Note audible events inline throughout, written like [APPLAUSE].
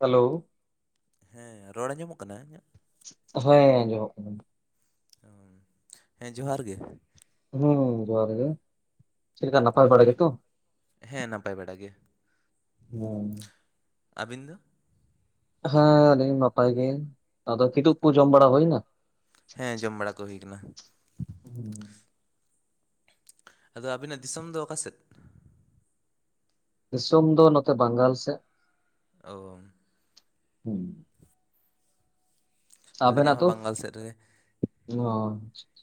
Hello ᱦᱮᱸ ᱨᱚᱲ ᱟᱸᱡᱚᱢᱚᱜ ᱠᱟᱱᱟ ᱤᱧᱟᱹᱜ ᱦᱚᱭ ᱟᱱᱡᱚᱢ ᱚᱜ ᱠᱟᱱᱟ᱾ ᱚᱢ ᱦᱮᱸ ᱡᱚᱦᱟᱨ ᱜᱮ ᱦᱩᱸ ᱡᱚᱦᱟᱨ ᱜᱮ ᱪᱮᱫ ᱞᱮᱠᱟ ᱱᱟᱯᱟᱭ ᱵᱟᱲᱟ ᱜᱮ ᱛᱚ ᱦᱮᱸ ᱱᱟᱯᱟᱭ ᱵᱟᱲᱟ ᱜᱮ ᱦᱩᱸ ᱟᱵᱤᱱ ᱫᱚ ᱦᱮᱸ ᱟᱞᱤᱧ ᱱᱟᱯᱟᱭ ᱜᱮ ᱟᱫᱚ ᱠᱤᱫᱩᱵ ᱠᱚ ᱡᱚᱢ ᱵᱟᱲᱟ ᱦᱩᱭ ᱱᱟ ᱦᱮᱸ ᱡᱚᱢ ᱵᱟᱲᱟ ᱠᱚ ᱦᱩᱭ ᱠᱟᱱᱟ᱾ ᱦᱩᱸ, ᱟᱫᱚ ᱟᱹᱵᱤᱱ ᱟᱜ ᱫᱤᱥᱚᱢ ᱫᱚ ᱚᱠᱟ ᱥᱮᱫ ᱫᱤᱥᱚᱢ ᱫᱚ ᱱᱚᱛᱮ ᱵᱟᱝᱜᱟᱞ ᱥᱮᱫ ᱚᱢ ᱦᱩᱸ ᱟᱹᱞᱤᱧᱟᱜ ᱟᱵᱮᱱᱟᱜ ᱦᱚᱸ ᱫᱚ ᱵᱟᱝᱜᱟᱞ ᱥᱮᱫ ᱨᱮᱜᱮ [UNINTELLIGIBLE]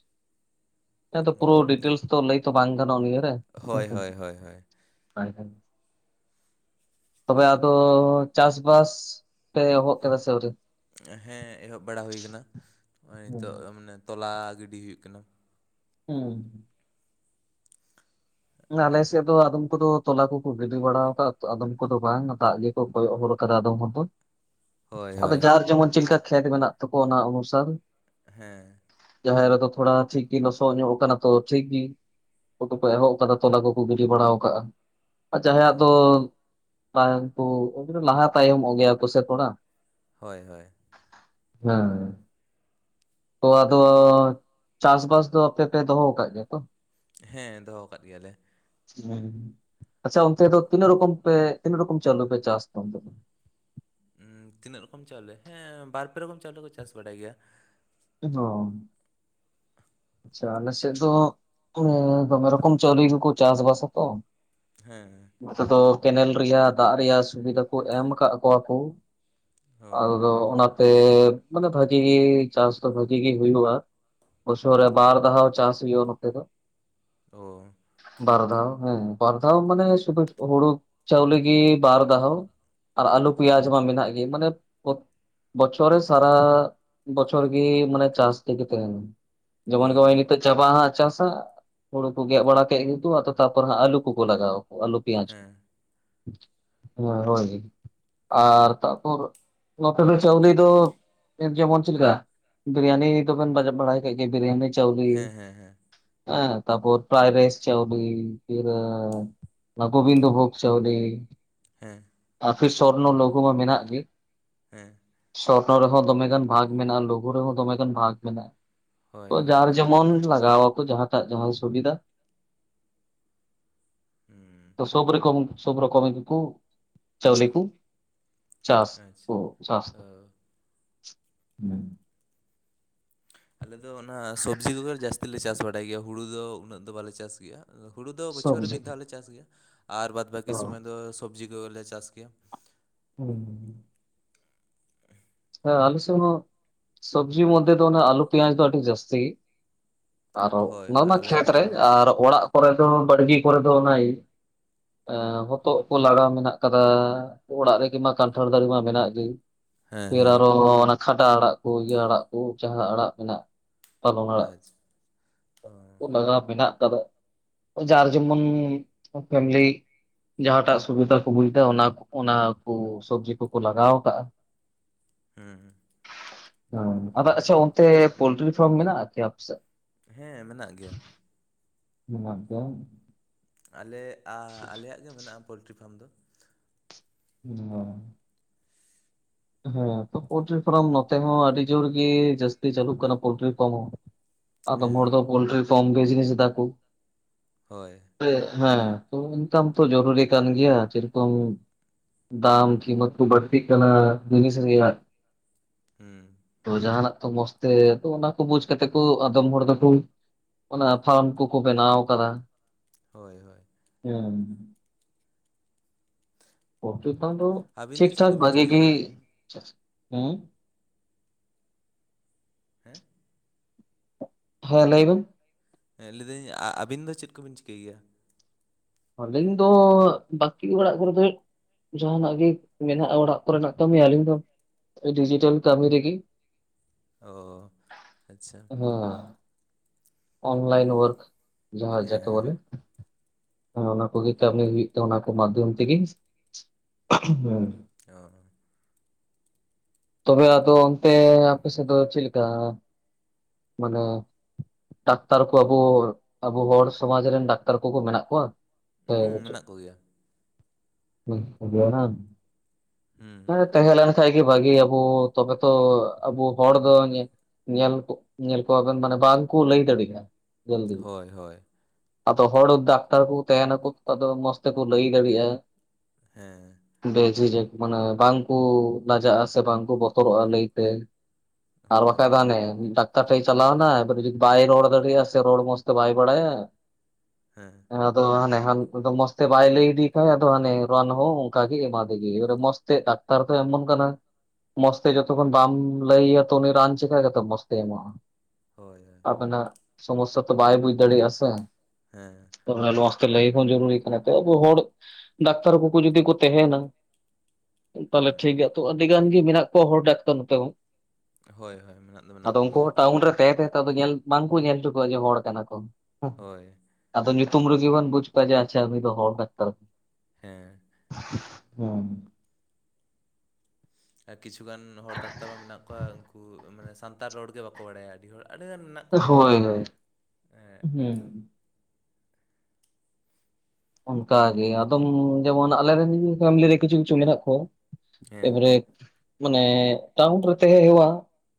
ᱦᱮᱸ ᱟᱫᱚ ᱯᱩᱨᱟᱹ ᱰᱤᱴᱮᱞᱮᱥ ᱛᱚ ᱞᱟᱹᱭ ᱛᱚ ᱵᱟᱝ ᱜᱟᱱᱚᱜᱟ ᱱᱤᱭᱟᱹ ᱨᱮ ᱦᱳᱭ ᱦᱳᱭ ᱦᱳᱭ ᱦᱳᱭ ᱦᱳᱭ ᱦᱳᱭ ᱛᱚᱵᱮ ᱟᱫᱚ ᱪᱟᱥ ᱵᱟᱥ ᱯᱮ ᱮᱦᱚᱵ ᱠᱮᱫᱟ ᱥᱮ ᱟᱹᱣᱨᱤ ᱦᱮᱸ ᱮᱦᱚᱵ ᱵᱟᱲᱟ ᱦᱩᱭ ᱠᱟᱱᱟ ᱱᱚᱜᱼᱚᱭ ᱦᱩᱸ ᱱᱤᱛᱚᱜ ᱢᱟᱱᱮ ᱛᱚᱞᱟ ᱜᱤᱰᱤ ᱦᱩᱭᱩᱜ ᱠᱟᱱᱟ᱾ ᱦᱩᱸ ᱟᱞᱮ ᱥᱮᱫ ᱫᱚ ᱟᱫᱚᱢ ᱠᱚᱫᱚ ᱛᱚᱞᱟ ᱠᱚᱠᱚ ᱜᱤᱰᱤ ᱵᱟᱲᱟ ᱣᱟᱠᱟᱜᱟ ᱟᱫᱚᱢ ᱠᱚᱫᱚ ᱵᱟᱝ ᱫᱟᱜ ᱜᱮ ᱠᱚ ᱠᱚᱭᱚᱜ ᱦᱚᱨ ᱟᱠᱟᱫᱟ ᱟᱫᱟᱢ ᱦᱚᱲ ᱫᱚ [UNINTELLIGIBLE] ᱟᱫᱚ ᱦᱳᱭ ᱡᱟᱨ ᱡᱮᱢᱚᱱ ᱪᱮᱫ ᱞᱮᱠᱟ ᱠᱷᱮᱛ ᱢᱮᱱᱟᱜ ᱛᱚᱠᱚ ᱚᱱᱟ ᱚᱱᱩᱥᱟᱨ ᱦᱮᱸ ᱡᱟᱦᱮᱨ ᱨᱮᱫᱚ ᱛᱷᱚᱲᱟ ᱴᱷᱤᱠ ᱜᱤ ᱞᱚᱥᱚᱜ ᱧᱚᱜ ᱟᱠᱟᱱᱟ ᱛᱚ ᱴᱷᱤᱠ ᱜᱤ ᱩᱱᱠᱩ ᱠᱚ ᱮᱦᱚᱵ ᱟᱫᱚ ᱛᱚᱞᱟ ᱠᱚᱠᱚ ᱜᱤᱰᱤ ᱵᱟᱲᱟ ᱣᱟᱩᱠᱟᱜᱼᱟ ᱟᱨ ᱡᱟᱦᱟᱸᱭᱟᱜ ᱦᱮᱸ, ᱫᱚ ᱛᱟᱭᱚᱢ ᱠᱚ ᱩᱱᱠᱩ ᱫᱚ ᱞᱟᱦᱟ ᱛᱟᱭᱚᱢᱚᱜ ᱜᱮᱭᱟ ᱠᱚ ᱥᱮ ᱛᱷᱚᱲᱟ᱾ ᱦᱳᱭ ᱦᱳᱭ ᱦᱮᱸ ᱛᱚ ᱟᱫᱚ ᱪᱟᱥ ᱵᱟᱥ ᱫᱚ ᱟᱯᱮ ᱯᱮ ᱫᱚᱦᱚ ᱠᱟᱜ ᱜᱮᱭᱟ ᱛᱚ ᱦᱮᱸ ᱫᱚᱦᱚ ᱠᱟᱫ ᱜᱮᱭᱟᱞᱮ᱾ ᱦᱮᱸ ᱟᱪᱪᱷᱟ ᱚᱱᱛᱮ ᱫᱚ ᱛᱤᱱᱟᱹᱜ ᱨᱚᱠᱚᱢ ᱯᱮ ᱛᱤᱱᱟᱹᱜ ᱨᱚᱠᱚᱢ ᱪᱟᱣᱞ ᱫᱚ ᱯᱮ ᱪᱟᱥ ᱚᱱᱛᱮ ᱫᱚ ᱩ ᱛᱤᱹᱱᱟᱜ ᱨᱚᱠᱚᱢ ᱪᱟᱣᱞᱮ ᱦᱮᱸ ᱵᱟᱨ ᱯᱮ ᱨᱚᱠᱚᱢ ᱪᱟᱣᱞᱮ ᱠᱚ ᱪᱟᱥ ᱵᱟᱲᱟᱭ ᱜᱮᱭᱟ᱾ [UNINTELLIGIBLE] [INAUDIBLE] ᱟᱪᱪᱷᱟ ᱟᱞᱮ ᱥᱮᱫ ᱫᱚ ᱫᱚᱢᱮ ᱨᱚᱠᱚᱢ ᱪᱟᱣᱞᱤ ᱜᱮᱠᱚ ᱪᱟᱥ ᱵᱟᱥ ᱟᱛᱚ ᱦᱮᱸ ᱱᱚᱛᱮ ᱫᱚ ᱠᱮᱱᱮᱞ ᱨᱮᱭᱟᱜ ᱫᱟᱜ ᱨᱮᱭᱟᱜ ᱥᱩᱵᱤᱫᱷᱟ ᱠᱚ ᱮᱢ ᱠᱟᱜ ᱠᱚᱣᱟ ᱠᱚ ᱚ ᱟᱫᱚ ᱚᱱᱟᱛᱮ ᱢᱟᱱᱮ ᱵᱷᱟᱜᱤ ᱪᱟᱥ ᱫᱚ ᱵᱷᱟᱜᱤ ᱜᱤ ᱦᱩᱭᱩᱜᱼᱟ᱾ ᱵᱚᱪᱚᱨ ᱨᱮ ᱵᱟᱨ ᱫᱷᱟᱣ ᱪᱟᱥ ᱦᱩᱭᱩᱜᱼᱟ ᱱᱚᱛᱮ ᱫᱚ ᱚ ᱵᱟᱨ ᱫᱷᱟᱣ ᱦᱮᱸ ᱵᱟᱨ ᱫᱷᱟᱣ ᱢᱟᱱᱮ ᱥᱩᱫᱷᱩ ᱦᱩᱲᱩ ᱪᱟᱣᱞᱤ ᱜᱤ ᱵᱟᱨ ᱫᱷᱟᱣ ᱟᱨ ᱟᱹᱞᱩ ᱯᱮᱭᱟᱡᱽ ᱢᱟ ᱢᱮᱱᱟᱜ ᱜᱤ ᱢᱟᱱᱮ ᱵᱚᱪᱷᱚᱨ ᱨᱮ ᱥᱟᱨᱟ ᱵᱚᱪᱚᱨ ᱜᱤ ᱢᱟᱱᱮ ᱪᱟᱥ ᱛᱤᱜᱤ ᱛᱟᱦᱮᱱᱟ ᱚ ᱡᱮᱢᱚᱱ ᱱᱚᱜ-ᱚᱭ ᱱᱤᱛᱚᱜ ᱪᱟᱵᱟᱜ ᱟᱦᱟᱸᱜ ᱪᱟᱥ ᱦᱟᱸᱜ ᱦᱩᱲᱩ ᱠᱚ ᱜᱮᱜ ᱵᱟᱲᱟ ᱠᱮᱜ ᱜᱮᱠᱚ ᱟᱫᱚ ᱛᱟᱯᱚᱨ ᱦᱟᱸᱜ ᱟᱹᱞᱩ ᱠᱚᱠᱚ ᱞᱟᱜᱟᱣᱟ ᱠᱚ ᱟᱹᱞᱩ ᱟᱹᱞᱩ ᱯᱮᱭᱟᱡᱽ ᱠᱚ ᱦᱮᱸ ᱦᱮᱸ ᱨᱚᱦᱚᱭ ᱜᱤ ᱟᱨ ᱛᱟᱯᱚᱨ ᱱᱚᱛᱮ ᱫᱚ ᱪᱟᱣᱞᱮ ᱫᱚ ᱡᱮᱢᱚᱱ ᱪᱮᱫ ᱞᱮᱠᱟ ᱵᱤᱨᱤᱭᱟᱱᱤ ᱫᱚᱵᱮᱱ ᱵᱟᱵᱟᱭ ᱠᱟᱜ ᱜᱮᱭᱟ ᱵᱤᱨᱤᱭᱟᱱᱤ ᱪᱟᱣᱞᱤ ᱦᱮᱸ ᱦᱮᱸ ᱦᱮᱸ ᱟᱸ ᱛᱟᱯᱚᱨ ᱯᱷᱨᱟᱭ ᱨᱮᱥ ᱪᱟᱣᱞᱤ ᱯᱷᱤᱨ [UNINTELLIGIBLE] ᱜᱳᱵᱤᱱᱫᱽ ᱵᱷᱳᱜ ᱪᱟᱣᱰᱤ [UNINTELLIGIBLE] ᱦᱮᱸ ᱟᱨ ᱯᱷᱤᱨ ᱥᱚᱨᱱᱚ ᱞᱚᱜᱩ ᱢᱟ ᱢᱮᱱᱟᱜ ᱜᱮ ᱦᱮᱸ ᱥᱚᱨᱱᱚ ᱨᱮᱦᱚᱸ ᱫᱚᱢᱮᱜᱟᱱ ᱵᱷᱟᱜᱽ ᱢᱮᱱᱟᱜᱼᱟ᱾ ᱞᱳᱜᱳ ᱨᱮᱦᱚᱸ ᱫᱚᱢᱮᱜᱟᱱ ᱵᱷᱟᱜᱽ ᱦᱳᱭ ᱢᱮᱱᱟᱜᱼᱟ᱾ ᱛᱚ ᱦᱳᱭ ᱡᱟᱨᱮ ᱡᱮᱢᱚᱱ ᱞᱟᱜᱟᱣᱟᱠᱚ ᱡᱟᱦᱟᱸᱴᱟᱜ ᱡᱟᱦᱟᱸ ᱥᱩᱵᱤᱫᱷᱟ᱾ ᱦᱩᱸ [INAUDIBLE] ᱥᱚᱵᱽ ᱨᱮᱠᱚᱢ ᱥᱩᱵᱽ ᱨᱚᱠᱚᱢ ᱠᱚ ᱪᱟᱣᱞᱤ ᱠᱚ ᱪᱟᱥ ᱟᱪᱪᱷᱟ ᱠᱚ ᱪᱟᱥ ᱚ ᱦᱮᱸ ᱟᱞᱮ ᱫᱚ ᱚᱱᱟ ᱥᱚᱵᱽᱡᱤ ᱠᱚᱜᱮ ᱡᱟᱹᱥᱛᱤ ᱞᱮ ᱪᱟᱥ ᱵᱟᱲᱟᱭ ᱜᱮᱭᱟ ᱦᱩᱲᱩ ᱫᱚ ᱩᱱᱟᱹᱜ ᱫᱚ ᱵᱟᱞᱮ ᱪᱟᱥ ᱜᱮᱭᱟ ᱦᱩᱲᱩ ᱫᱚ ᱵᱚᱪᱷᱚᱨ ᱨᱮ ᱥᱚᱵᱽᱡᱤ ᱢᱤᱫ ᱫᱷᱟᱣ ᱞᱮ ᱪᱟᱥ ᱜᱮᱭᱟ ᱟᱨ ᱵᱟᱫᱽ ᱵᱟᱹᱠᱤ ᱦᱮᱸ ᱥᱚᱢᱚᱭ ᱫᱚ ᱥᱚᱵᱽᱡᱤ ᱠᱚᱜᱮᱞᱮ ᱪᱟᱥ ᱜᱮᱭᱟ᱾ ᱦᱩᱸ ᱦᱮᱸ ᱟᱞᱮ ᱥᱮᱫ ᱥᱚᱵᱽᱡᱤ ᱢᱚᱫᱽᱫᱷᱮ ᱫᱚ ᱟᱞᱩ ᱯᱮᱸᱭᱟᱡᱽ ᱫᱚ ᱟᱹᱰᱤ ᱡᱟᱹᱥᱛᱤ ᱜᱮ ᱟᱨᱚ ᱦᱳᱭ ᱚᱱᱟ ᱦᱳᱭ ᱢᱟ ᱟᱞᱮ ᱱᱚᱛᱮ ᱠᱷᱮᱛᱨᱮ ᱦᱚᱸ ᱟᱨ ᱚᱲᱟᱜ ᱠᱚᱨᱮ ᱫᱚ ᱵᱟᱲᱜᱮ ᱠᱚᱨᱮ ᱫᱚ ᱦᱚᱛᱚᱫ ᱠᱚ ᱞᱟᱲᱟᱣ ᱢᱮᱱᱟᱜ ᱟᱠᱟᱫᱟ ᱚᱲᱟᱜ ᱨᱮᱜᱮ ᱢᱟ ᱠᱟᱱᱴᱷᱟᱲ ᱫᱟᱨᱮ ᱢᱟ ᱢᱮᱱᱟᱜ ᱜᱮ ᱦᱮᱸ ᱯᱷᱤᱨ ᱦᱮᱸ ᱟᱨᱚ ᱠᱷᱟᱰᱟ ᱟᱲᱟᱜ ᱠᱚ ᱤᱭᱟᱹ ᱟᱲᱟᱜ ᱠᱚ ᱡᱟᱦᱟᱸ ᱟᱲᱟᱜ ᱢᱮᱱᱟᱜ ᱯᱟᱞᱚᱱ ᱟᱲᱟᱜ ᱟᱪᱪᱷᱟ ᱚ ᱦᱩᱸ ᱞᱟᱜᱟᱣ ᱢᱮᱱᱟᱜ [UNINTELLIGIBLE] ᱡᱟᱨ ᱡᱮᱢᱚᱱ ᱯᱷᱮᱢᱞᱤ ᱡᱟᱦᱟᱸᱴᱟᱜ ᱥᱩᱵᱤᱫᱟ ᱠᱚ ᱵᱩᱡᱽ ᱫᱟ᱾ ᱚᱱᱟ ᱚᱱᱟ ᱠᱚ ᱥᱚᱵᱽᱡᱤ ᱠᱚᱠᱚ ᱞᱟᱜᱟᱣ ᱟᱠᱟᱜᱼᱟ᱾ ᱦᱮᱸ ᱦᱮᱸ ᱟᱫᱚ ᱟᱪᱪᱷᱟ ᱚᱱᱛᱮ ᱯᱳᱞᱴᱨᱤ ᱯᱷᱟᱨᱢ ᱢᱮᱱᱟᱜᱼᱟ ᱠᱤ ᱟᱯᱮ ᱥᱮ? ᱦᱮᱸ ᱢᱮᱱᱟᱜ ᱜᱮᱭᱟ᱾ ᱢᱮᱱᱟᱜ ᱜᱮᱭᱟ᱾ ᱟᱞᱮ ᱟ ᱟᱞᱮᱭᱟᱜ ᱜᱮ ᱢᱮᱱᱟᱜᱼᱟ ᱯᱳᱞᱴᱨᱤ ᱯᱷᱟᱨᱢ ᱫᱚ᱾ [UNINTELLIGIBLE] ᱦᱮᱸ ᱛᱚ ᱯᱳᱞᱴᱨᱤ ᱯᱷᱟᱨᱢ ᱱᱚᱛᱮ ᱦᱚᱸ ᱟᱹᱰᱤ ᱡᱳᱨ ᱜᱮ ᱡᱟᱹᱥᱛᱤ ᱪᱟᱹᱞᱩᱜ ᱠᱟᱱᱟ ᱯᱳᱞᱴᱨᱤ ᱯᱷᱟᱨᱢ ᱦᱚᱸ᱾ ᱦᱮᱸ ᱟᱫᱚᱢ ᱦᱚᱲ ᱫᱚ ᱯᱳᱞᱴᱨᱤ ᱯᱷᱚᱨᱢ ᱵᱮᱡᱱᱮᱥ ᱫᱟᱠᱚ᱾ ᱦᱳᱭ ᱦᱮᱸ ᱤᱱᱠᱟᱢ ᱛᱚ ᱡᱚᱨᱩᱨᱤ ᱠᱟᱱ ᱜᱮᱭᱟ ᱡᱮᱨᱚᱠᱚᱢ ᱫᱟᱢ ᱠᱤᱢᱟᱛ ᱠᱚ ᱵᱟᱹᱲᱛᱤᱜ ᱠᱟᱱᱟ ᱡᱤᱱᱤᱥ ᱨᱮᱭᱟᱜ ᱦᱩᱸ ᱛᱚ ᱡᱟᱦᱟᱸᱱᱟᱜ ᱛᱚ ᱢᱚᱸᱡᱽ ᱛᱮ ᱚᱱᱟ ᱠᱚ ᱵᱩᱡᱽ ᱠᱟᱛᱮ ᱠᱚ ᱟᱫᱚᱢ ᱦᱚᱲ ᱫᱚᱠᱚ ᱚᱱᱟ ᱯᱷᱟᱨᱢ ᱠᱚᱠᱚ ᱵᱮᱱᱟᱣ ᱟᱠᱟᱫᱟ᱾ ᱦᱳᱭ ᱦᱳᱭ ᱦᱮᱸ ᱯᱚᱞᱴᱤᱨᱤ ᱯᱷᱟᱢ ᱫᱚ ᱟᱹᱵᱤᱱ ᱴᱷᱤᱠ ᱫᱚ ᱪᱮᱫ ᱴᱷᱟᱠ ᱠᱚᱵᱤᱱ ᱵᱷᱟᱹᱜᱤ ᱪᱤᱠᱟᱹᱭ ᱜᱮ ᱜᱮᱭᱟ ᱦᱩᱸ ᱦᱮᱸ ᱦᱮᱸ ᱞᱟᱹᱭᱵᱮᱱ ᱦᱮᱸ ᱞᱟᱹᱭᱫᱟᱹᱧ ᱟᱹᱵᱤᱱ ᱫᱚ ᱪᱮᱫ ᱠᱚᱵᱤᱱ ᱪᱤᱠᱟᱹᱭ ᱜᱮᱭᱟ᱾ ᱟᱹᱞᱤᱧ ᱫᱚ ᱵᱟᱠᱤ ᱚᱲᱟᱜ ᱠᱚᱨᱮ ᱫᱚ ᱡᱟᱦᱟᱸᱱᱟᱜ ᱜᱮ ᱢᱮᱱᱟᱜᱼᱟ ᱚᱲᱟᱜ ᱠᱚᱨᱮᱱᱟᱜ ᱠᱟᱹᱢᱤ ᱟᱹᱞᱤᱧ ᱫᱚ ᱰᱤᱡᱤᱴᱟᱞ ᱠᱟᱹᱢᱤᱤ ᱨᱮᱜᱮ‌ ᱚ ᱟᱪᱪᱷᱟ ᱦᱮᱸ ᱚᱱᱞᱟᱹᱭᱤᱱ ᱣᱟᱨᱠ ᱡᱟᱦᱟᱸ ᱦᱮᱸ ᱡᱟᱠᱮ ᱵᱚᱞᱮ ᱦᱮᱸ ᱦᱮᱸ ᱚᱱᱟ ᱠᱚᱜᱮ ᱠᱟᱹᱢᱤ ᱦᱩᱭᱩᱜ ᱛᱮ ᱚᱱᱟ ᱠᱚ ᱢᱟᱫᱽᱫᱷᱚᱢ ᱛᱮᱜᱮ ᱦᱮᱸ ᱚ ᱛᱚᱵᱮ ᱟᱫᱚ ᱚᱱᱛᱮ ᱟᱯᱮ ᱥᱮᱫ ᱫᱚ ᱪᱮᱫ ᱞᱮᱠᱟ᱾ ᱢᱟᱱᱮ ᱰᱟᱠᱛᱟᱨ ᱠᱚ ᱟᱵᱩ ᱟᱵᱩ ᱦᱚᱲ ᱥᱚᱢᱟᱡᱽ ᱨᱮᱱ ᱰᱟᱠᱛᱟᱨ ᱠᱚᱠᱚ ᱢᱮᱱᱟᱜ ᱠᱚᱣᱟ ᱥᱮ ᱦᱩᱸ ᱵᱟᱪᱩᱜ ᱢᱮᱱᱟᱜ ᱠᱚᱜᱮᱭᱟ ᱢᱮᱱᱟᱜ [UNINTELLIGIBLE] ᱦᱮᱸ ᱦᱩᱸ ᱛᱟᱦᱮᱸ ᱞᱮᱱᱠᱷᱟᱡ ᱜᱮ ᱵᱷᱟᱹᱜᱤ ᱟᱵᱚ ᱛᱚᱵᱮ ᱛᱚ ᱟᱵᱚ ᱦᱚᱲ ᱫᱚ ᱧᱮᱞ ᱧᱮᱞ ᱠᱚᱣᱟᱵᱮᱱ ᱢᱟᱱᱮ ᱵᱟᱝᱠᱚ ᱞᱟᱹᱭ ᱫᱟᱲᱮᱭᱟᱜ᱾ ᱡᱚᱞᱫᱤ ᱦᱳᱭ ᱦᱳᱭ ᱟᱫᱚ ᱦᱚᱲ ᱫᱟᱜ ᱰᱟᱠᱛᱟᱨ ᱠᱚ ᱛᱟᱦᱮᱱᱟᱠᱚ ᱟᱫᱚ ᱢᱚᱸᱡᱽ ᱛᱮᱠᱚ ᱞᱟᱹᱭ ᱫᱟᱲᱮᱭᱟᱜᱼᱟ ᱾ ᱦᱮᱸ ᱵᱮ ᱡᱷᱤᱡᱟᱹᱠ ᱢᱟᱱᱮ ᱵᱟᱝᱠᱚ ᱞᱟᱡᱟᱜᱼᱟ ᱥᱮ ᱵᱟᱝᱠᱚ ᱵᱚᱛᱚᱨᱚᱜᱼᱟ ᱞᱟᱹᱭᱛᱮ ᱾ ᱟᱨ ᱦᱳᱭ ᱵᱟᱠᱷᱟᱡ ᱫᱚ ᱦᱟᱱᱮ ᱰᱟᱠᱛᱟᱨ ᱴᱷᱮᱡ ᱮ ᱪᱟᱞᱟᱣᱱᱟ ᱵᱟᱭ ᱨᱚᱲ ᱫᱟᱲᱮᱜ ᱟᱥᱮ ᱨᱟᱲ ᱢᱚᱡᱽ ᱛᱮ ᱵᱟᱭ ᱵᱟᱲᱟᱭᱟ ᱾ ᱦᱮᱸ ᱟᱫᱚ ᱦᱟᱱᱛᱮ ᱢᱚᱸᱡᱽ ᱛᱮ ᱵᱟᱭ ᱞᱟᱹᱭ ᱤᱫᱮ ᱠᱷᱟᱡᱫᱚ ᱦᱟᱱᱮ ᱨᱟᱱ ᱦᱚᱸ ᱚᱱᱠᱟ ᱜᱮ ᱮᱢᱟᱫᱮ ᱜᱮ ᱾ ᱮᱫ ᱰᱟᱠᱛᱟᱨ ᱛᱚ ᱮᱢᱚᱱ ᱠᱟᱱᱟ? ᱢᱚᱸᱡᱽ ᱛᱮ ᱡᱚᱛᱚᱠᱷᱚᱱ ᱵᱟᱢ ᱞᱟᱹᱭ ᱟᱭᱟ ᱛᱚ ᱩᱱᱤ ᱨᱟᱱ ᱪᱮᱠᱟ ᱛᱮ ᱢᱚᱸᱡᱽ ᱛᱮ ᱮᱢᱚᱜᱼᱟ ᱾ ᱦᱚᱭ ᱦᱚᱭ ᱟᱵᱮᱱᱟᱜ ᱥᱚᱢᱚᱥᱥᱟ ᱛᱚ ᱵᱟᱭ ᱵᱩᱡ ᱫᱟᱲᱮᱭᱟᱜᱼᱟ ᱥᱮ ᱾ ᱦᱮᱸ ᱚᱱᱟᱛᱮ ᱞᱟᱹᱭ ᱦᱚᱸ ᱡᱟᱹᱨᱩᱲᱤ ᱠᱟᱱᱟ ᱛᱚ ᱟᱵᱚ ᱦᱚᱲ ᱰᱟᱠᱛᱟᱨ ᱠᱚᱠᱚ ᱡᱩᱫᱤ ᱠᱚ ᱛᱟᱦᱮᱱᱟ ᱛᱟᱦᱞᱮ ᱦᱩᱸ ᱴᱷᱤᱠ ᱟᱜ ᱛᱚ ᱟᱹᱰᱤ ᱜᱟᱱ ᱜᱮ ᱢᱮᱱᱟᱜ ᱠᱚᱣᱟ ᱦᱚᱲ ᱰᱟᱠᱛᱟᱨ ᱱᱚᱛᱮ ᱦᱚᱸ ᱦᱳᱭ ᱦᱳᱭ ᱢᱮᱱᱟᱜ ᱫᱚ ᱾ ᱢᱮᱱᱟᱜ ᱟᱫᱚ ᱩᱱᱠᱩ ᱠᱚᱜᱮᱭᱟ ᱦᱚᱸ ᱴᱟᱣᱩᱱ ᱨᱮ ᱛᱟᱦᱮᱸ ᱛᱟᱦᱮᱸ ᱛᱮ ᱧᱮᱞ ᱵᱟᱝᱠᱩ ᱧᱮᱞ ᱦᱚᱪᱚ ᱠᱚᱣᱟ ᱡᱮ ᱦᱚᱲ ᱠᱟᱱᱟ ᱠᱚ ᱾ ᱦᱚᱭ ᱟᱫᱚ ᱧᱩᱛᱩᱢ ᱨᱮᱜᱮ ᱵᱚᱱ ᱵᱩᱡ ᱠᱚᱣᱟ ᱡᱮ ᱟᱪᱪᱷᱟ ᱩᱱᱤ ᱫᱚ ᱦᱚᱲ ᱰᱟᱠᱛᱟᱨ ᱾ ᱦᱮᱸ ᱦᱩᱸ ᱠᱤᱪᱷᱩ ᱜᱟᱱ ᱦᱚᱲ ᱰᱟᱠᱛᱟᱨ ᱢᱟ ᱢᱮᱱᱟᱜ ᱠᱚᱣᱟ ᱩᱱ ᱠᱩ ᱢᱟᱱᱮ ᱥᱟᱱᱛᱟᱲ ᱨᱚᱲ ᱜᱮ ᱵᱟᱠᱚ ᱵᱟᱲᱟᱭᱟ ᱟᱹᱰᱤ ᱦᱚᱲ ᱾ ᱟᱹᱰᱤᱜᱟᱱ ᱢᱮᱱᱟᱜ ᱠᱚᱜᱮᱭᱟ ᱦᱳᱭ ᱱᱚᱝᱠᱟ ᱾ ᱦᱳᱭ᱾ ᱦᱩᱸ᱾ ᱚᱱᱠᱟ ᱜᱮ ᱟᱫᱚᱢ ᱡᱮᱢᱚᱱ ᱟᱞᱮ ᱨᱮᱱ ᱯᱷᱮᱢᱮᱞᱤ ᱠᱤᱪᱷᱩ-ᱠᱤᱪᱷᱩ ᱢᱮᱱᱟᱜ ᱠᱚᱣᱟ ᱾ ᱦᱮᱸ ᱮᱯᱚᱨᱮ ᱢᱟᱱᱮ ᱴᱟᱣᱩᱱ ᱨᱮ ᱛᱟᱦᱮᱸ ᱦᱮᱣᱟ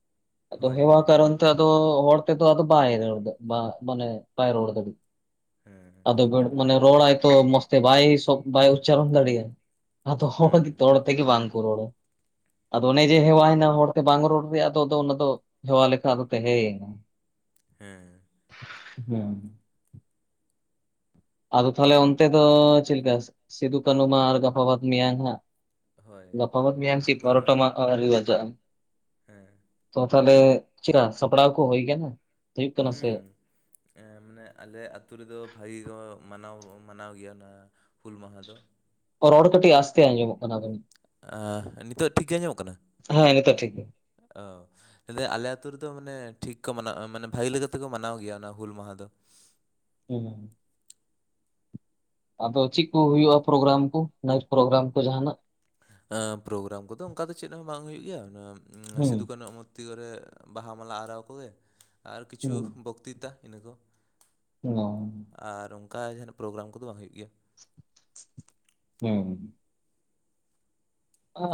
᱾ ᱟᱫᱚ ᱦᱳᱭ ᱦᱮᱣᱟ ᱦᱳᱭ ᱠᱟᱨᱚᱱ ᱛᱮ ᱟᱫᱚ ᱦᱚᱲ ᱛᱮᱫᱚ ᱟᱫᱚ ᱵᱟᱭ ᱨᱚᱲ ᱢᱟᱱᱮ ᱵᱟᱭ ᱨᱚᱲ ᱫᱟᱲᱮᱜ ᱾ ᱦᱮᱸ ᱦᱮᱸ ᱢᱟᱱᱮ ᱨᱚᱲ ᱟᱭ ᱛᱚ ᱢᱚᱡᱽ ᱛᱮ ᱵᱟᱭ ᱵᱟᱭ ᱩᱪᱪᱟᱨᱚᱱ ᱫᱟᱲᱮᱭᱟᱜ-ᱟ ᱾ ᱟᱫᱚ ᱦᱚ ᱦᱚᱲ ᱦᱩᱸ ᱜᱮ ᱦᱚᱲ ᱛᱮ ᱵᱟᱝ ᱠᱚ ᱨᱚᱲᱟ ᱾ ᱟᱫᱚ ᱚᱱᱮ ᱡᱮ ᱦᱮᱣᱟᱭᱮᱱᱟ ᱦᱚᱲ ᱛᱮ ᱵᱟᱝ ᱨᱚᱲ ᱨᱮᱭᱟᱜ ᱟᱫᱚ ᱚᱱᱟ ᱫᱚ ᱦᱮᱣᱟ ᱞᱮᱠᱷᱟᱱ ᱛᱟᱦᱮᱸᱭᱮᱱᱟ ᱾ ᱦᱮᱸ ᱦᱩᱸ ᱟᱫᱚ ᱛᱟᱦᱚᱞᱮ ᱚᱱᱛᱮ ᱫᱚ ᱪᱮᱫ ᱞᱮᱠᱟ? ᱥᱤᱫᱩ ᱠᱟᱹᱱᱩ ᱢᱟ ᱟᱨ ᱜᱟᱯᱟ ᱵᱟᱫ ᱢᱮᱭᱟᱝ ᱦᱟᱸᱜ ᱦᱳᱭ ᱾ ᱜᱟᱯᱟ ᱵᱟᱫ ᱢᱮᱭᱟᱝ ᱪᱮ ᱦᱩᱞ ᱮᱜᱟᱨᱳᱴᱟ ᱢᱟᱦᱟ ᱢᱟ ᱟᱹᱣᱨᱤ ᱵᱟᱡᱟᱜ-ᱟ ᱾ ᱦᱮᱸ ᱛᱚ ᱛᱟᱦᱚᱞᱮ ᱪᱮᱫ ᱥᱟᱯᱲᱟᱣ ᱠᱚ ᱦᱩᱭ ᱠᱟᱱᱟ? ᱦᱩᱭᱩᱜ ᱠᱟᱱᱟ ᱥᱮ ᱦᱮᱸ ᱢᱟᱱᱮ ᱟᱞᱮ ᱟᱛᱳ ᱨᱮᱫᱚ ᱵᱷᱟᱜᱤ ᱠᱚ ᱢᱟᱱᱟᱣ ᱢᱟᱱᱟᱣ ᱜᱮᱭᱟ ᱚᱱᱟ ᱦᱩᱞ ᱢᱟᱦᱟ ᱫᱚ ᱾ ᱨᱚᱲ ᱠᱟᱴᱤᱡ ᱟᱥᱛᱮ ᱟᱡᱚᱢᱚᱜ‍ ᱱᱤᱛᱚᱜ ᱴᱷᱤᱠ ᱜᱮ ᱟᱸᱡᱚᱢᱚᱜ ᱠᱟᱱᱟ? ᱦᱮᱸ ᱱᱤᱛᱚᱜ ᱴᱷᱤᱠ ᱜᱮᱭᱟ ᱮ ᱟᱞᱮ ᱟᱹᱛᱩ ᱨᱮᱫᱚ ᱢᱟᱱᱮ ᱴᱷᱤᱠ ᱠᱚ ᱢᱟᱱᱟᱣᱟ ᱢᱟᱱᱮ ᱵᱷᱟᱹᱜᱮ ᱞᱮᱠᱟ ᱛᱮᱠᱚ ᱢᱟᱱᱟᱣ ᱜᱮᱭᱟ ᱚᱱᱟ ᱦᱩᱞ ᱢᱟᱦᱟ ᱫᱚ ᱾ ᱦᱮᱸ ᱟᱫᱚ ᱪᱮᱫ ᱠᱚ ᱦᱩᱭᱩᱜᱼᱟ ᱯᱨᱳᱜᱨᱟᱢ ᱠᱚ ᱱᱟᱭᱤᱴ ᱯᱨᱳᱜᱨᱟᱢ ᱠᱚ ᱡᱟᱦᱟᱱᱟᱜ ᱯᱨᱳᱜᱨᱟᱢ ᱠᱚᱫᱚ ᱚᱱᱠᱟ ᱫᱚ ᱪᱮᱫ ᱦᱚᱸ ᱵᱟᱝ ᱦᱩᱭᱩᱜ ᱜᱮᱭᱟ ᱚᱱᱟ ᱦᱩᱸ ᱥᱤᱫᱩ ᱠᱟᱱᱩᱭᱟᱜ ᱢᱚ ᱨᱛᱤ ᱠᱚᱨᱮ ᱵᱟᱦᱟ ᱢᱟᱞᱟ ᱟᱨᱟᱣ ᱠᱚᱜᱮ ᱾ ᱟᱨ ᱠᱤᱪᱷᱩ ᱦᱩᱸ ᱵᱚᱠᱛᱤᱛᱟ ᱚᱱᱟᱹ ᱠᱚ ᱾ [UNINTELLIGIBLE] ᱟᱨ ᱚᱱᱠᱟ ᱡᱟᱦᱟᱸᱱᱟᱜ ᱯᱨᱳᱜᱮᱨᱟᱢ ᱠᱚᱫᱚ ᱦᱚᱭ ᱜᱮ ᱦᱮᱸ,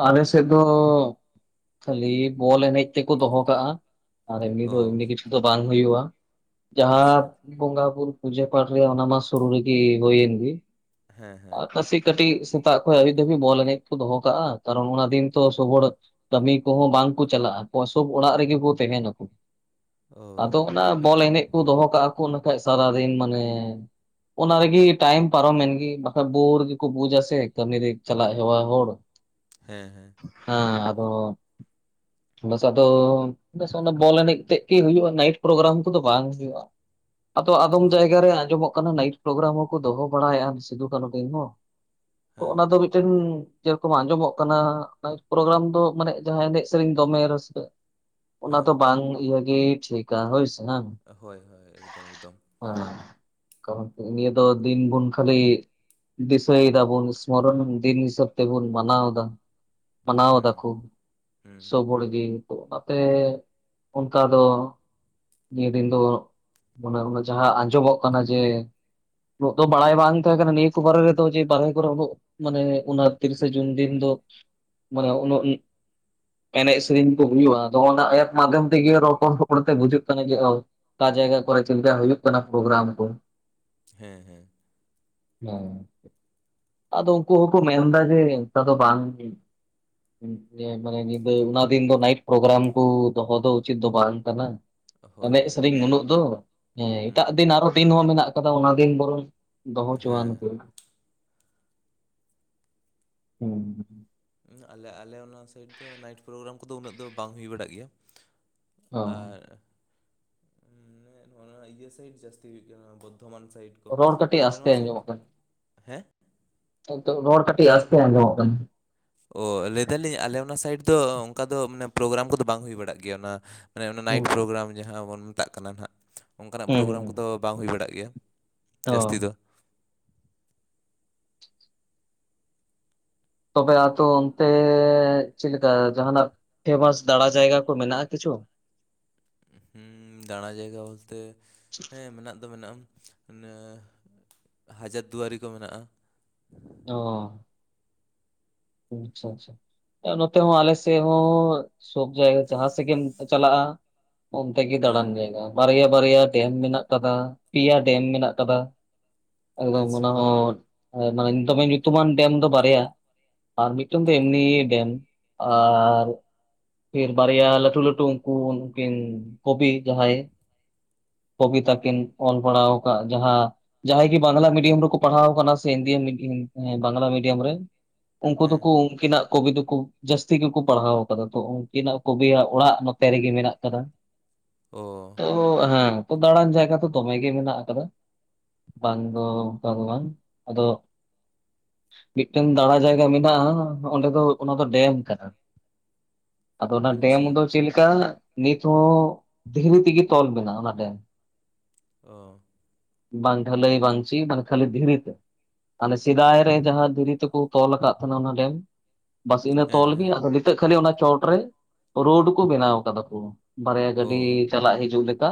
ᱟᱞᱮ ᱥᱮᱫ ᱫᱚ ᱠᱷᱟᱹᱞᱤ ᱵᱚᱞ ᱮᱱᱮᱡ ᱛᱮᱠᱚ ᱫᱚᱦᱚ ᱠᱟᱜᱼᱟ ᱾ ᱟᱨ ᱮᱢᱱᱤ ᱚ ᱫᱚ ᱮᱢᱱᱤ ᱠᱤᱪᱷᱩ ᱫᱚ ᱵᱟᱝ ᱦᱩᱭᱩᱜᱼᱟ ᱟᱪᱪᱷᱟ ᱡᱟᱦᱟᱸ ᱾ ᱵᱚᱸᱜᱟ ᱵᱩᱨᱩ ᱯᱩᱡᱟᱹ ᱯᱟᱴ ᱨᱮ ᱚᱱᱟ ᱢᱟ ᱥᱩᱨᱩ ᱨᱮᱜᱮ ᱦᱩᱭᱮᱱ ᱜᱮ ᱦᱮᱸ ᱦᱮᱸ ᱟᱨ ᱠᱷᱹᱥᱤ ᱠᱟᱹᱴᱤᱡ ᱥᱮᱛᱟᱜ ᱠᱷᱚᱡ ᱟᱹᱭᱩᱵ ᱫᱷᱟᱹᱵᱤᱡ ᱵᱚᱞ ᱮᱱᱮᱡ ᱠᱚ ᱫᱚᱦᱚ ᱠᱟᱜᱼᱟ ᱠᱟᱨᱚᱱ ᱚᱱᱟ ᱫᱤᱱ ᱛᱚ ᱥᱚᱵᱨ ᱠᱟᱹᱢᱤ ᱠᱚᱦᱚᱸ ᱵᱟᱝ ᱠᱚ ᱪᱟᱞᱟᱜᱼᱟ ᱠᱚᱥᱚᱵ ᱚᱲᱟᱜ ᱨᱮᱜᱮ ᱠᱚ ᱛᱟᱦᱮᱱᱟᱠᱚ ᱚ ᱟᱫᱚ, ᱚᱱᱟ ᱵᱚᱞ ᱮᱱᱮᱡ ᱠᱚ ᱫᱚᱦᱚ ᱠᱟᱜᱼᱟ ᱠᱚ ᱤᱱᱟᱹ ᱠᱷᱟᱡ ᱥᱟᱨᱟᱫᱤᱱ ᱢᱟᱱᱮ ᱚᱱᱟ ᱨᱮᱜᱤ ᱴᱟᱭᱤᱢ ᱯᱟᱨᱚᱢᱮᱱ ᱜᱤ ᱵᱟᱠᱷᱟ ᱵᱳᱨ ᱜᱮᱠᱚ ᱵᱩᱡᱟ ᱥᱮ ᱠᱟᱹᱢᱤ ᱨᱮ ᱪᱟᱞᱟᱜ ᱦᱮᱣᱟ ᱦᱚᱲ ᱦᱮᱸ ᱦᱮᱸ, ᱦᱮᱸ ᱟᱫᱚ ᱵᱟᱥ ᱟᱫᱚ, ᱵᱮᱥ ᱚᱱᱟ ᱵᱚᱞ ᱮᱱᱮᱡ ᱛᱮᱜ ᱜᱮ ᱦᱩᱭᱩᱜᱼᱟ ᱱᱟᱭᱤᱴ ᱯᱨᱳᱜᱨᱟᱢ ᱠᱚᱫᱚ ᱵᱟᱝ ᱦᱩᱭᱩᱜᱼᱟ ᱾ ᱟᱫᱚ ᱟᱫᱚᱢ ᱚ ᱡᱟᱭᱜᱟ ᱨᱮ ᱟᱸᱡᱚᱢᱚᱜ, ᱱᱟᱭᱤᱴ ᱯᱨᱳᱜᱨᱟᱢ ᱦᱚᱸᱠᱚ ᱫᱚᱦᱚ ᱵᱟᱲᱟᱭᱮᱜᱼᱟ ᱥᱤᱫᱩ ᱠᱟᱹᱱᱦᱩ ᱫᱤᱱ ᱦᱚᱸ ᱦᱮᱸ ᱚᱱᱟ ᱫᱚ ᱾ [UNINTELLIGIBLE] [UNINTELLIGIBLE] ᱠᱚ ᱟᱸᱡᱚᱢᱚᱜ ᱠᱟᱱᱟ ᱱᱟᱤᱴ ᱯᱨᱳᱜᱨᱟᱢ ᱫᱚ ᱢᱟᱱᱮ ᱡᱟᱦᱟᱸ ᱮᱱᱮᱡ ᱥᱮᱨᱮᱧ ᱫᱚᱢᱮ ᱨᱟᱹᱥᱠᱟᱹ, ᱚᱱᱟ ᱫᱚ ᱦᱮᱸ ᱵᱟᱝ ᱤᱭᱟᱹ ᱜᱮ ᱴᱷᱤᱠᱟ ᱦᱳᱭ ᱥᱮ ᱵᱟᱝ, ᱦᱳᱭ ᱦᱳᱭ ᱮᱠᱫᱚᱢ ᱮᱠᱫᱚᱢ ᱾ ᱦᱮᱸ ᱠᱚᱱ [UNINTELLIGIBLE] ᱱᱤᱭᱟᱹ ᱫᱚ ᱫᱤᱱ ᱜᱩᱱ ᱠᱷᱟᱹᱞᱤ ᱫᱤᱥᱟᱹᱭ ᱫᱟᱵᱚᱱ ᱤᱥᱢᱚᱨᱚᱱ ᱫᱤᱱ ᱦᱤᱥᱟᱹᱵ, ᱛᱮᱵᱚᱱ ᱢᱟᱱᱟᱣᱫᱟ ᱢᱟᱱᱟᱣ ᱦᱩᱸ ᱫᱟᱠᱚ, ᱦᱩᱸ ᱥᱚᱵ ᱦᱚᱲ ᱜᱮ ᱛᱚ ᱚᱱᱟᱛᱮ ᱚᱱᱠᱟ ᱫᱚ, ᱤᱧ ᱨᱤᱱ ᱫᱚ ᱢᱚᱱᱮ ᱮᱱᱮ ᱡᱟᱦᱟᱸ ᱟᱸᱡᱚᱢᱚᱜ ᱠᱟᱱᱟ ᱡᱮ [UNINTELLIGIBLE] ᱫᱚ ᱵᱟᱲᱟᱭ ᱵᱟᱝ ᱛᱟᱦᱮᱸ ᱠᱟᱱᱟ ᱱᱤᱭᱟᱹᱠᱚ ᱵᱟᱨᱮ ᱨᱮᱫᱚ ᱡᱮ [UNINTELLIGIBLE] ᱠᱚᱨᱮ ᱢᱟᱱᱮ [UNINTELLIGIBLE] ᱛᱤᱨᱤᱥᱮ ᱡᱩᱱ ᱫᱤᱱ ᱫᱚ ᱢᱟᱱᱮ ᱩᱱᱟᱹᱜ ᱮᱱᱮᱡ ᱥᱮᱨᱮᱧ ᱠᱚ ᱦᱩᱭᱩᱜᱼᱟ ᱟᱫᱚ ᱚᱱᱟ ᱮᱯ ᱢᱟᱫᱷᱚᱢ ᱛᱮᱜᱮ ᱨᱚᱯᱚᱲ ᱨᱚᱯᱚᱲ ᱛᱮ ᱵᱩᱡᱩᱜ ᱠᱟᱱᱟ ᱡᱮ ᱚᱣ ᱚᱠᱟ ᱡᱟᱭᱜᱟ ᱠᱚᱨᱮ ᱪᱮᱫᱞᱮᱠᱟ ᱦᱩᱭᱩᱜ ᱠᱟᱱᱟ ᱯᱨᱳᱜᱮᱨᱟᱢ ᱠᱚ ᱦᱮᱸ ᱦᱮᱸ ᱦᱮᱸ ᱟᱫᱚ ᱩᱱᱠᱩ ᱦᱚᱸᱠᱚ ᱢᱮᱱᱫᱟ, [UNINTELLIGIBLE] ᱫᱚ ᱵᱟᱝ [UNINTELLIGIBLE] ᱚᱱᱮ ᱢᱟᱱᱮ ᱧᱤᱫᱟᱹ ᱚᱱᱟ ᱫᱤᱱ ᱫᱚ ᱱᱟᱭᱤᱴ ᱯᱨᱳᱜᱨᱟᱢ ᱠᱚ ᱫᱚᱦᱚ ᱫᱚ ᱩᱪᱤᱛ ᱫᱚ ᱵᱟᱝ ᱠᱟᱱᱟ ᱾ ᱦᱳᱭ ᱮᱱᱮᱡ ᱦᱳᱭ ᱥᱮᱨᱮᱧ ᱮᱠᱫᱚᱢ ᱢᱩᱱᱟᱹᱜ [UNINTELLIGIBLE] ᱫᱚ ᱦᱮᱸ ᱦᱩᱸ ᱮᱴᱟᱜ ᱫᱤᱱ ᱟᱨᱦᱚ ᱫᱤᱱ ᱦᱚᱸ ᱢᱮᱱᱟᱜ ᱠᱟᱫᱟ ᱚᱱᱟ ᱫᱤᱱ ᱵᱚᱨᱚᱢ ᱫᱚᱦᱚᱦᱚᱪᱚᱣᱟᱱ ᱦᱮᱸ ᱠᱚ, ᱦᱩᱸ ᱾ ᱦᱮᱸ ᱟᱞᱮ ᱟᱞᱮ ᱚᱱᱟ ᱥᱟᱭᱤᱰ ᱫᱚ ᱱᱟᱭᱤᱴ ᱯᱨᱳᱜᱨᱟᱢ ᱠᱚᱫᱚ ᱩᱱᱟᱹᱜ ᱫᱚ ᱵᱟᱝ ᱦᱩᱭ ᱵᱟᱲᱟᱜ ᱜᱮᱭᱟ ᱾ ᱚ ᱟᱨ ᱱᱚᱜ ᱤᱭᱟᱹ ᱥᱟᱭᱤᱰ ᱡᱟᱹᱥᱛᱤ ᱦᱩᱭᱩᱜ ᱜᱮᱭᱟ ᱵᱚᱨᱫᱷᱚᱢᱟᱱ ᱥᱟᱭᱤᱰ, ᱨᱚᱲ ᱠᱟᱹᱴᱤᱡ ᱟᱞᱮ ᱟᱥᱛᱮ ᱱᱚᱣᱟ ᱥᱟᱭᱤᱰ ᱟᱸᱡᱚᱢᱚᱜ ᱠᱟᱱᱟ ᱦᱮᱸ ᱨᱚᱲ ᱠᱟᱹᱴᱤᱡ ᱟᱥᱛᱮ ᱟᱸᱡᱚᱢᱚᱜ ᱠᱟᱱᱟ ᱾ ᱚ ᱞᱟᱹᱭ ᱫᱟᱞᱤᱧ ᱟᱞᱮ ᱚᱱᱟ ᱥᱟᱭᱤᱰ ᱫᱚ ᱚᱱᱠᱟ ᱫᱚ ᱢᱟᱱᱮ ᱯᱨᱳᱜᱨᱟᱢ ᱠᱚᱫᱚ ᱵᱟᱝ ᱦᱩᱭ ᱵᱟᱲᱟᱜ ᱜᱮᱭᱟ ᱚᱱᱟ ᱢᱟᱱᱮ ᱚᱱᱟ ᱱᱟᱭᱤᱴ ᱦᱩᱸ᱾ ᱯᱨᱳᱜᱨᱟᱢ ᱡᱟᱦᱟᱸ ᱵᱚᱱ ᱢᱮᱛᱟᱜ ᱠᱟᱱᱟ ᱦᱟᱸᱜ ᱚᱱᱠᱟᱱᱟᱜ ᱦᱩᱸ ᱯᱨᱳᱜᱨᱟᱢ ᱦᱩᱸ ᱠᱚᱫᱚ ᱵᱟᱝ ᱦᱩᱭ ᱵᱟᱲᱟᱜ ᱜᱮᱭᱟ ᱾ ᱚ ᱡᱟᱹᱥᱛᱤ ᱫᱚ ᱾ ᱛᱚᱵᱮ ᱟᱛᱳ ᱚᱱᱛᱮ ᱪᱮᱫᱞᱮᱠᱟ ᱡᱟᱦᱟᱸᱱᱟᱜ ᱯᱷᱮᱢᱟᱥ ᱫᱟᱬᱟ ᱡᱟᱭᱜᱟ ᱠᱚ ᱢᱮᱱᱟᱜᱼᱟ ᱠᱤᱪᱷᱩ ᱾ ᱦᱮᱸ ᱫᱟᱬᱟ ᱡᱟᱭᱜᱟ ᱵᱚᱞᱛᱮ ᱦᱮᱸ ᱢᱮᱱᱟᱜ ᱫᱚ ᱢᱮᱱᱟᱜᱼᱟ ᱤᱱᱟ, ᱦᱟᱡᱟᱨ ᱫᱩᱣᱟᱨᱤ ᱠᱚ ᱢᱮᱱᱟᱜᱼᱟ ᱾ ᱚᱸᱻ᱾ ᱟᱪᱷᱟ ᱟᱪᱷᱟ ᱱᱚᱛᱮ ᱦᱚᱸ ᱟᱞᱮ ᱥᱮᱫ ᱦᱚᱸ ᱥᱚᱵ ᱡᱟᱭᱜᱟ ᱡᱟᱦᱟᱸ ᱥᱮᱫ ᱜᱮᱢ ᱪᱟᱞᱟᱜᱼᱟ ᱚᱱᱛᱮ ᱜᱮ ᱦᱮᱸ ᱫᱟᱲᱟᱱ ᱡᱟᱭᱜᱟ, ᱵᱟᱨᱭᱟ ᱵᱟᱨᱭᱟ ᱰᱮᱢ ᱢᱮᱱᱟᱜ ᱟᱠᱟᱫᱟ ᱯᱮᱭᱟ ᱰᱮᱢ ᱢᱮᱱᱟᱜ ᱟᱠᱟᱫᱟ ᱾ ᱮᱠᱫᱚᱢ ᱚᱱᱟ ᱟᱪᱪᱷᱟ ᱦᱚᱸ ᱮ ᱢᱟᱱᱮ ᱫᱚᱢᱮ ᱧᱩᱛᱩᱢᱟᱱ ᱰᱮᱢ ᱫᱚ ᱵᱟᱨᱭᱟ᱾ ᱟᱨ ᱢᱤᱫᱴᱮᱱ ᱫᱚ ᱮᱢᱱᱤ ᱰᱮᱢ, ᱟᱨ ᱯᱷᱤᱨ ᱵᱟᱨᱭᱟ ᱞᱟᱹᱴᱩ ᱞᱟᱹᱴᱩ ᱩᱱᱠᱩ ᱩᱱᱠᱤᱱ ᱠᱚᱵᱤ ᱡᱟᱦᱟᱸᱭ ᱠᱚᱵᱤᱛᱟ ᱠᱤᱱ ᱚᱞ ᱵᱟᱲᱟᱣ ᱠᱟᱜ ᱡᱟᱦᱟᱸ᱾ ᱡᱟᱦᱟᱸᱭ ᱜᱤ ᱵᱟᱝᱞᱟ ᱢᱤᱰᱤᱭᱟᱢ ᱨᱮᱠᱚ ᱯᱟᱲᱦᱟᱣ ᱟᱠᱟᱱᱟ ᱥᱮ ᱦᱤᱱᱫᱤ ᱢᱤ-ᱦᱤ ᱮᱸ ᱵᱟᱝᱞᱟ ᱢᱤᱰᱤᱭᱟᱢ ᱨᱮ᱾ ᱩᱱᱠᱩ ᱦᱮᱸ ᱫᱩᱠᱩ ᱩᱱᱠᱤ ᱱᱟᱜ ᱠᱚᱵᱤ ᱫᱩᱠᱩ ᱡᱟᱹᱥᱛᱤ ᱜᱤᱠᱩ ᱯᱟᱲᱦᱟᱣ ᱟᱠᱟᱫᱟ᱾ ᱛᱚ ᱩᱱᱠᱤᱱᱟᱜ ᱠᱚᱵᱤᱭᱟᱜ ᱚᱲᱟᱜ ᱱᱚᱛᱮ ᱨᱮᱜᱮ ᱢᱮᱱᱟᱜ ᱠᱟᱫᱟ᱾ ᱚ᱾ ᱚ ᱦᱮᱸ ᱛᱚᱵᱮ ᱫᱟᱬᱟᱱ ᱡᱟᱭᱜᱟ ᱛᱚ ᱫᱚᱢᱮ ᱜᱮ ᱢᱮᱱᱟᱜ ᱟᱠᱟᱫᱟ᱾ ᱵᱟᱝ ᱫᱚ ᱚᱱᱠᱟ ᱫᱚ ᱵᱟᱝ, ᱟᱫᱚ ᱢᱤᱜᱴᱮᱱ ᱫᱟᱬᱟ ᱡᱟᱭᱜᱟ ᱢᱮᱱᱟᱜᱼᱟ ᱦᱟᱸ ᱚᱸᱰᱮ ᱫᱚ ᱚᱱᱟ ᱫᱚ ᱰᱮᱢ ᱠᱟᱱᱟ᱾ ᱟᱫᱚ ᱚᱱᱟ ᱰᱮᱢ ᱟᱪᱪᱷᱟ ᱫᱚ ᱪᱮᱞᱠᱟ ᱱᱤᱛᱦᱚᱸ ᱫᱷᱤᱨᱤ ᱛᱮᱜᱮ ᱛᱚᱞ ᱢᱮᱱᱟᱜᱼᱟ ᱚᱱᱟ ᱰᱮᱢ᱾ ᱚ᱾ ᱵᱟᱝ ᱰᱷᱟᱹᱞᱟᱹᱭ ᱵᱟᱝ ᱪᱤ ᱵᱟᱝᱫᱚ ᱠᱷᱟᱹᱞᱤ ᱫᱷᱤᱨᱤ ᱛᱮ᱾ ᱦᱟᱱᱮ ᱥᱮᱫᱟᱭ ᱨᱮ ᱡᱟᱦᱟᱸ ᱫᱷᱤᱨᱤ ᱛᱮᱠᱚ ᱛᱚᱞ ᱟᱠᱟᱜ ᱛᱟᱦᱮᱱᱟ ᱚᱱᱟ ᱰᱮᱢ᱾ ᱵᱟᱥ ᱤᱱᱟᱹ ᱦᱮᱸ ᱛᱚᱞ ᱜᱮ ᱦᱮᱸ ᱟᱫᱚ ᱱᱤᱛᱚᱜ ᱠᱷᱟᱹᱞᱤ ᱚᱱᱟ ᱪᱚᱴᱨᱮ ᱨᱳᱰ ᱠᱚ ᱵᱮᱱᱟᱣ ᱠᱟᱫᱟ ᱠᱚ᱾ ᱵᱟᱨᱭᱟ ᱚ ᱜᱟᱹᱰᱤ ᱪᱟᱞᱟᱜ ᱦᱤᱡᱩᱜ ᱞᱮᱠᱟ᱾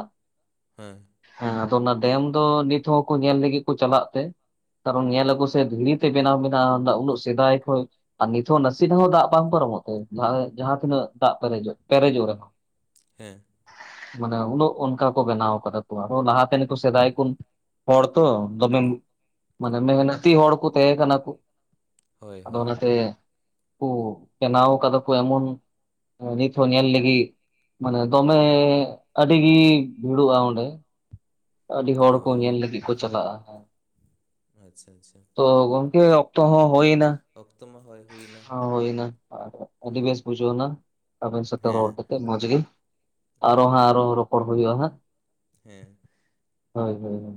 ᱦᱮᱸ᱾ ᱦᱮᱸ ᱟᱫᱚ ᱚᱱᱟ ᱰᱮᱢ ᱫᱚ ᱱᱤᱛ ᱦᱚᱸᱠᱚ ᱧᱮᱞ ᱞᱟᱹᱜᱤᱫ ᱠᱚ ᱪᱟᱞᱟᱜ ᱛᱮ᱾ ᱠᱟᱨᱚᱱ ᱧᱮᱞ ᱟᱠᱚ ᱥᱮ ᱫᱷᱤᱨᱤ ᱛᱮ ᱵᱮᱱᱟᱣ ᱢᱮᱱᱟᱜᱼᱟ ᱚᱱᱟ ᱩᱱᱟᱹᱜ ᱥᱮᱫᱟᱭ ᱠᱷᱚᱡ ᱟ ᱱᱤ ᱛᱚ ᱱᱟᱥᱤ ᱛᱮᱦᱚᱸ ᱫᱟᱜ ᱵᱟᱝ ᱯᱟᱨᱚᱢᱚᱜ ᱛᱮ ᱡᱟᱸᱦᱟ ᱮᱸ ᱡᱟᱸᱦᱟ ᱛᱤᱱᱟᱹᱜ ᱫᱟᱜ ᱯᱮᱨᱮᱡᱚᱜ ᱯᱮᱨᱮᱡᱚᱜ ᱨᱮᱦᱚᱸ᱾ ᱦᱮᱸ᱾ ᱢᱟᱱᱮ ᱩᱱᱟᱹᱜ ᱚᱱᱠᱟ ᱠᱚ ᱵᱮᱱᱟᱣ ᱠᱟᱫᱟ ᱠᱚ ᱟᱨᱚ ᱞᱟᱦᱟ ᱛᱮ ᱱᱤᱠᱩ ᱥᱮᱫᱟᱭ ᱠᱩᱱ᱾ ᱦᱚᱲ ᱛᱚ ᱫᱚᱢᱮ ᱢᱟᱱᱮ ᱢᱮᱦᱚᱱᱟᱛᱤ ᱦᱚᱲ ᱠᱩ ᱛᱟᱦᱮᱸ ᱠᱟᱱᱟ ᱠᱩ᱾ ᱦᱳᱭ ᱟᱫᱚ ᱦᱳᱭ ᱚᱱᱟᱛᱮ ᱠᱩ ᱵᱮᱱᱟᱣ ᱠᱟᱫᱟ ᱠᱚ ᱮᱢᱚᱱ ᱮᱸ ᱱᱤᱛ ᱦᱚᱸ ᱧᱮᱞ ᱞᱟᱹᱜᱤ ᱢᱟᱱᱮ ᱫᱚᱢᱮ ᱟᱹᱰᱤ ᱜᱤ ᱵᱷᱤᱲᱚᱜᱼᱟ ᱚᱸᱰᱮ᱾ ᱟᱹᱰᱤ ᱦᱚᱲ ᱚ ᱠᱚ ᱧᱮᱞ ᱞᱟᱹᱜᱤᱫ ᱠᱚ ᱪᱟᱞᱟᱜᱼᱟ, ᱦᱮᱸ᱾ ᱟᱪᱷᱟ ᱟᱪᱷᱟ᱾ ᱛᱚ ᱜᱚᱝᱠᱮ ᱚᱠᱛᱚ ᱦᱚᱸ ᱦᱳᱭᱱᱟ᱾ ᱚᱠᱛᱚ ᱢᱟ ᱦᱚᱭ ᱦᱩᱭᱱᱟ᱾ ᱦᱚᱸ ᱦᱩᱭᱱᱟ ᱟᱹᱰᱤ ᱦᱮᱸ ᱵᱮᱥ ᱵᱩᱡᱷᱟᱹᱣ ᱱᱟ ᱟᱵᱮᱱ ᱥᱟᱛᱮ ᱨᱚᱲ ᱦᱮᱸ ᱠᱟᱛᱮᱜ ᱢᱚᱸᱡᱽ ᱜᱮ᱾ ᱟᱨᱚ ᱦᱮᱸ ᱦᱟᱸ ᱟᱨᱚ ᱨᱚᱯᱚᱲ ᱦᱩᱭᱩᱜᱼᱟ ᱦᱟᱸᱜ᱾ ᱦᱮᱸ᱾ ᱦᱳᱭ ᱦᱳᱭ ᱦᱳᱭ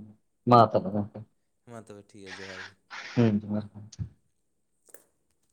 ᱢᱟ ᱛᱚᱵᱮ ᱜᱚᱝᱠᱮ᱾ ᱢᱟ ᱛᱚᱵᱮ ᱴᱷᱤᱠ ᱜᱮᱭᱟ ᱡᱚᱦᱟᱨ ᱜᱮ᱾ ᱦᱮᱸ ᱡᱚᱦᱟᱨ ᱜᱚᱝᱠᱮ᱾ [INAUDIBLE]